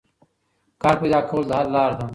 کار پیدا کول د حل لار ده.